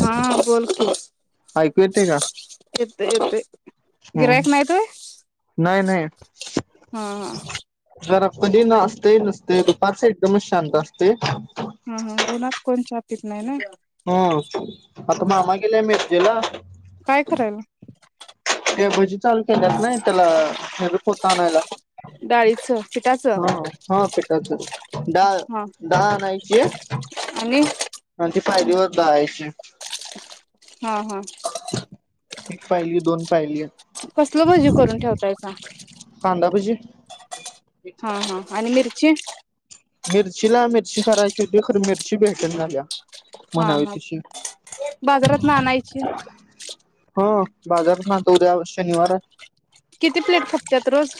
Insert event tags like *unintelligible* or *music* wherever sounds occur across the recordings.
हा बोल तु ऐकू येते का येतोय येतोय, गिरायक हम्म नाहीत होय,? *inaudible* हं हं *unintelligible* ते नसते दुपारचे कमी शांत असते. हा हा उन्हात कोण च्या पि घेत नाही ना ग हा आता मामा गेले मे केला काय करायला *unintelligible* चालू केल्यात नाही त्याला पोत आणायला डाळीचं पिठाचं हा हा पिठाच डाळ हा डाळ आणायची आहे आणि आणि ती पायरीवर *unintelligible* *inaudible* एक फाईली दोन पायली कसल भजी करून ठेवताइसा कांदा भजी हां हां आणि मिरची मिरचीला मिरची करायची होती खर मिरची भेटना झालीया. हां हां बाजारातन आणायची बाजारातन आणतो उद्या शनिवार हाय किती प्लेट खपत्यात रोज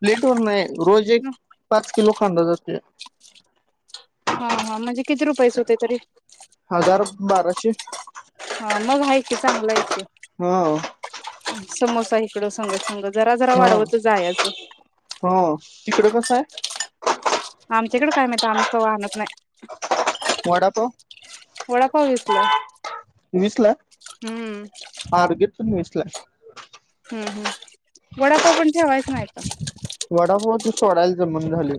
प्लेट वर नाही. रोज एक पाच किलो कांदा जातोय्. तेच हां हां म्हणजे किती रुपयचं होतय तरी हजार बाराशे हा मग हाय की चांगलं आहे की हा समोसा काय इकडं सांगत सांगत‌ जरा जरा हा वाढवतच जायायचं हा तिकडं कसं हाय? आमच्याकडं काय माहित ना् आम्ही कव्हा आणत नाय *inaudible* वडापाव विकलाय वीसला हम्म *unintelligible* फ्लॅश हम्म हम्म वडापाव पण ठेवायचा हाय जमना झालय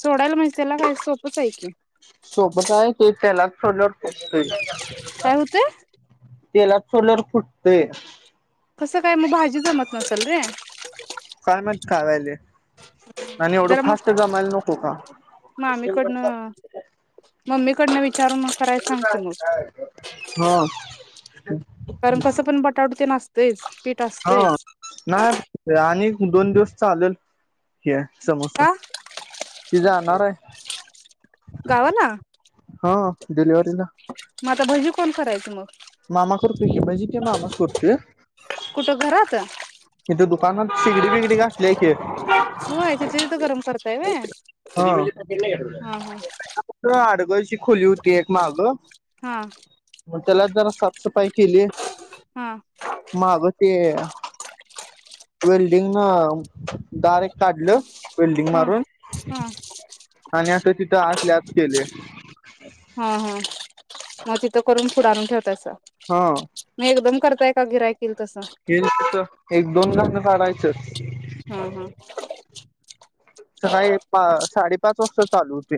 सोडायल म्हणजे त्याला काय सोपंच आहे की सोबत आहे ते त्याला *unintelligible* काय होतंय? तेलात सोडल्यावर फुटतंय. कसं काय मग भाजी जमत नसेल रे *unintelligible* आणि एवढं जरा मग फास्ट जमायला नको का? मम्मी कडन वि *unintelligible* *inaudible* कारण कसं पण बटाटू ते नास तेज हां नाही आत् आणित दोन दिवस चालल हे. समोसा का ती गा येणारयं. गावाला? डिलेवरी ला. मग आता भजी कोण करायचं मग? मामा करतोय कि भजी ते मामाचं करतोय. कुठं घरात? इथे दुकानात शेगडी बिगडी घातलीया कि. होय तिथल्या तिथं गरम करतयं वय. हा ते आड गाईची खोली होती एक माग. हा. त्यालाच जरा साफसफाई केले हा माग ते *inaudible* वेल्डिंगनं दार एक काढलं. वेल्डिंग हा मारून हा आण्या तिथं आतल्या आत केलयं. हा हा. म तिथं करून पुुढ आणून ठेवतायसा. हा. मग एकदम करताय का गिऱ्हाईक? के तस एक दोन घ काढायच च हा हा सकाळी पा साडेपाच वाजता चालू हुतंय.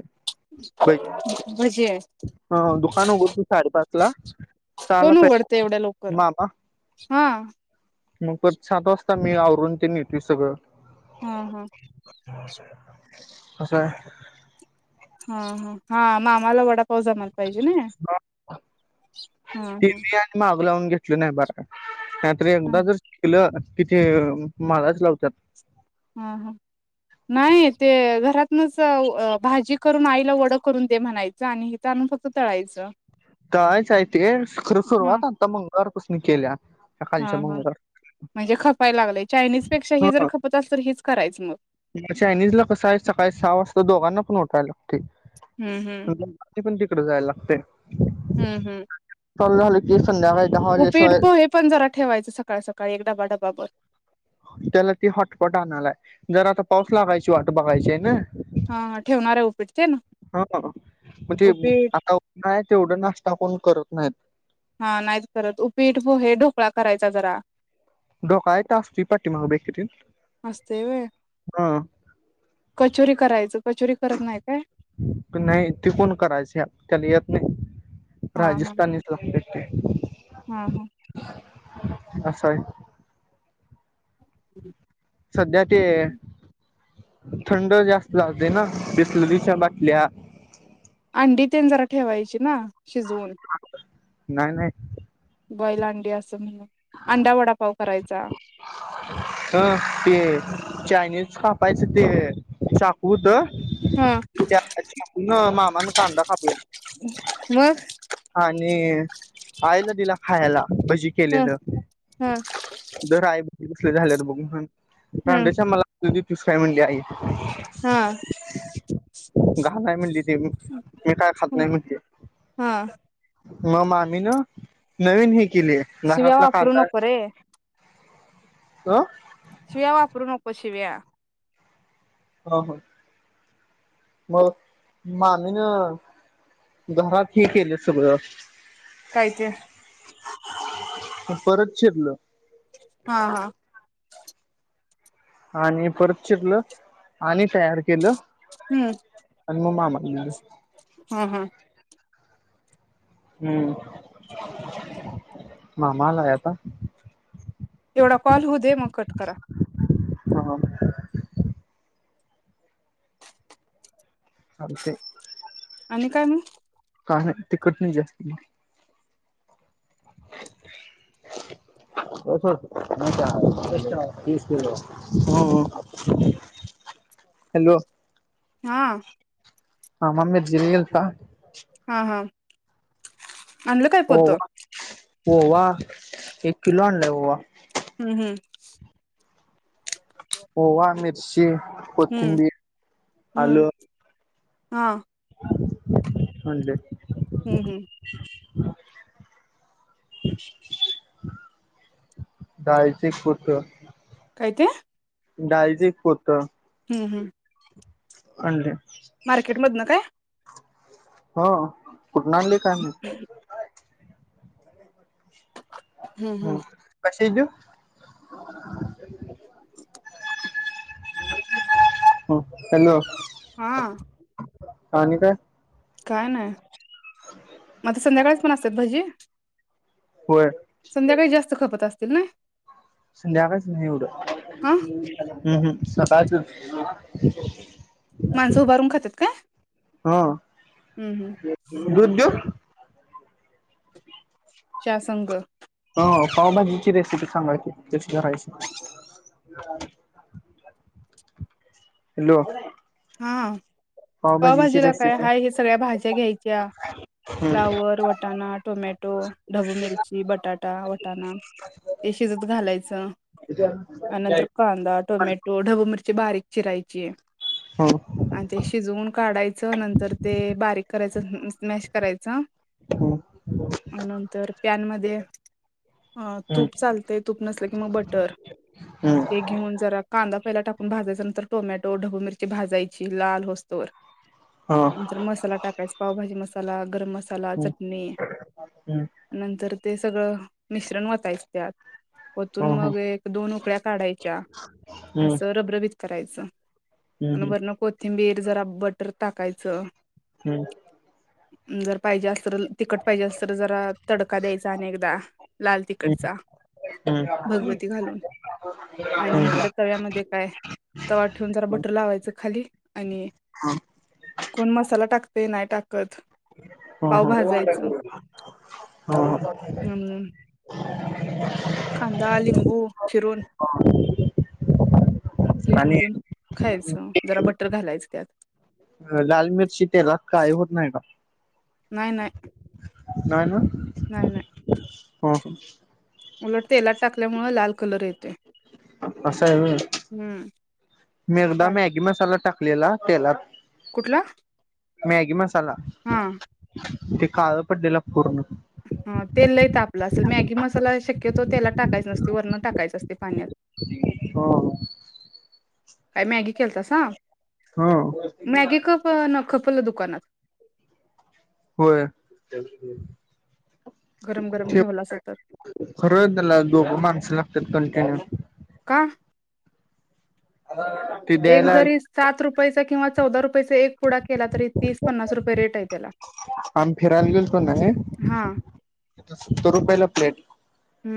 ब भजे दुकान उघडतो साडेपाच ला. सहाला कोण उघडतयं एवढ्या लवकर मामा हा. मग परत सात वाज मी आवरून ती नेती सगळं. हा हा. असय. हा हा हा मामाला वडाप हो जमायला पाहिजे नाई हा हा. तिन्ही आणि मागं लावून घेतली नाही बरयं. हे आपण हा एकदा जर शिकल--. तिथे मलाच लावतात हा ह नाही ते घरातनच भाजी करून आईला वड करून दे म्हणायचं आणि इथ आणून फक्त तळायचं तळायच हाय ते खरं हा सुरुवात आत्ता म मंगळवार पासन केल्या हा सकाळच्या हा मंगळवार म्हणजे खपायला लागलेय चायनीज पेक्षा हे जर खपत असल तर हेच करायच मग? म चायनीज ला कसं आहे सकाळी सहा वाजता दोघांना पण उठायला हम्म हम्म लागतंय ते पण तिकड जायला लागतय चालू झाल तीच *inaudible* उपीठ पोहे पण जरा ठेवायचं सकाळ सकाळी एक डबा डबाभर त्याला ती हॉटपॉट आणलाय जर आता पाऊस लागायची वाट बघायची आहे ना हा हा ठेवणार आहे उपीट ते ना हा बाबा म्हणजे उपीट आता उन्हाळ्या त एवढा नाश्ता कोण करत नाहीत हा नाहीत करत उपीठ हे ढोकळा करायचा जरा ढोकळा इथ असतोय पाठीमागच्या बेकरीत असतंय व्हय हा कचोरी करायचं कचोरी करत नाही काय नाही ते कोण करायचे त्याला येत नाही राजस्थीनीच लागतय *unintelligible* हम् हम् असा आहे हम्म सध्या ते थंड जास्त लागतय ना बिसलरीच्या बाटल्या अंडी ते जरा ठेवायची ना शिजवून *unintelligible* नाही नाही बॉईज अंडी असं म्हणून अंडा *unintelligible* वडापाव करायचा. हं ते चायनीज कापायचं ते चाकू होतं हा *inaudible* त्या चाकून मामा न कांदा कापला मग आणि आईला दिल्या खायला भजी केलेलं धर आई धर कसली झाल्यात बघ म्हनून हम्म रांडच्या मला तूचच काय म्हणली आहे हा *inaudible* हा काय म्हणलीत? ते मग मी काय खात नाही म्हणत्या. हा म मामीन नवीन ही केलीय शिव्या नहरातला वापरू कांदा नको रे रिकामा ऑडिओ *inaudible* शिव्या वापरू नको शिव्या......... हा हा.. मग मामी न घरात हे केलय सगळं.... काय ते परत चिरल.... हां हां.... *inaudible* आणि परत चिरलं आणि तयार केलं हूं म मामा न आणलं... हं हं हम्म मामा आलाय आता.... येवढा कॉल होऊ दे म कट करा. हां हां ते... आणि काय मग...... का नाही तिखट नाही जास्ती.... हॅलो.. *unintelligible* हां मामा मिरजेला गेलता..... हां हां... आणलं काय पोत? ओवा ओवा... एक किलो आणला य ओवा.... हूं हूं ओवा मिरची... हम्म कोथिंबीर, आल..... हां... अंडे.... हूं हूं डाळीचं एक पोत.... काय ते..... डाळीचं एक पोत. हम्म, हम्म. आणले. मार्केट मधनं काय हो.... कुठन आणलय काय माहीत? *inaudible* हा हम्म कशाची देऊ? *unintelligible* *inaudible* *unintelligible* हा आणि काय काय नाय म ता संध्याकाळाच कोण असत्यात ही होय संध्याकाळी जास्त खपत अस *unintelligible* संध्याकाळच नाही उद्या *unintelligible* हा हम्म हम्म सकाळचच *unintelligible* माणस उभारून खात्यात काय हं हं हं दूध देऊ? *unintelligible* हो पावभाजीची रेसिपी सांगा की कशी करायची हॅलो हां पावभाजीची पावभाजीला काय रेसिपी हाय हे सगळ्या भाज्या घ्यायच्या हं फ्लॉवर, वटाणा, टोमॅटो, ढबू मिरची, बटाटा, वटाणा ते शिजत घालायचा त्यानंतर कांदा, टोमॅटो, ढबू मिरची बारीक चिरायचीय हं आणि ते शिजवून काढायच नंतर ते बारीक करायच मॅश करायचा हं मग नंतर पॅन मध्ये ह हं तूप चालतेय तूप नसलं की मग बटर हं हे घेऊन जरा कांदा पहिला टाक भाजायचा नंतर टोमॅटो ढबु मिर ती भाजायची लाल होस्तरवर हं हं नंतर मसाला टाकायचा पावभाजी मसाला *inaudible* चला हं चटणी नंतर ते सगळ मिश्रण वतायच त्यात वतून हं हं मग एक दोन उकळ्या काढायच्या हम्म अस रबरबित करायच अन हम्म वरण कोथींबीर जरा बटर टाकायच हम्म *inaudible* जर पाहिजे अस तिखट पाहिजे अस तर जरा तडका द्यायचा अनेकदा लाल हम्म तिखटचा हम्म हम्म भगवती घालून आणि हम्म इकडे तव्यामध्ये काय तवा ठेवून जरा बटर लावायचा त खाली आणि कोण मसाला टाक ते नाय टाक ह ह हा हा *inaudible* खांदा लिंबू फिरवून प्लेट आणि मधून खायचं जरा बट टर घालायच त्यात लाल मिरची तेलाट काळी होत नाहीका नाही ना? नाय नाय हो हो उलट तेलात टाकल्यामुळे लाल कलर येतय असं आहे होय हूं केला तेलात कुटला मॅगी मस् *unintelligible* ते काळं पडलेला पूर्ण हा तेल तापलं असल मॅगी मसाला शक्यतो तेला टाकायच नसते वर्ण टाकायचं असतं पाण्यात हो काय मॅगी केलतासा हो मॅगी क क क ण खपलं दुकानात होय. गरम गरम ठेव ठेवलासा तर खरं त्याला दोघ माणस ला *unintelligible* का? ते एक द्यायला जरी सात रुपयाचा किंवा चौदा रुपयाचा एक पुढा केला तरी तीस पन्नास रुपये रेट आहे त्याला आम्ही फिरायला गेलतो ना हा तर रुपयाला प्लेट हूं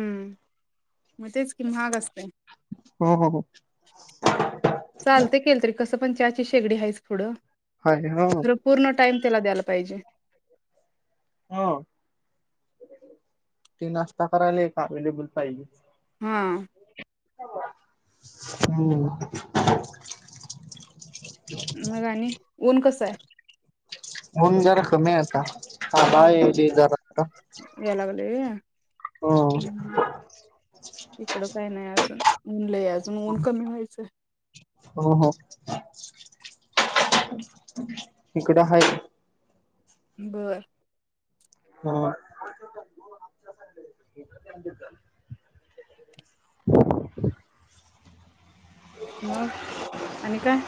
म तेच कि महाग असतय हो हो हो चालतय केलं तरी कस पण चाची शेगडी हायच पुुडं आहे ह खर पूर्ण टाइम त्याला द्यायला पाहिजे हा ते नाश्ता करायला एक अवेलेबल पाहिजे हा *inaudible* मग आणि ऊन कस आहे ऊन जरा कमी हाय आता थांब हा येयली जरा ता ये आ हम् इकड काय नाय अजून ऊन लय अजून ऊन कमी व्हायचंय. हो हो हो इकडे हाय बर हो *inaudible* मग आणि काय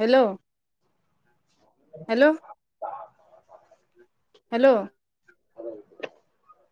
हॅलो हॅलो *unintelligible* हॅलो *inaudible*